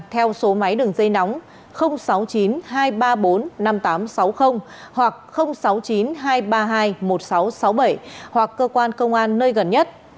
theo số máy đường dây nóng sáu mươi chín hai trăm ba mươi bốn năm nghìn tám trăm sáu mươi hoặc sáu mươi chín hai trăm ba mươi hai một nghìn sáu trăm sáu mươi bảy hoặc cơ quan công an nơi gần nhất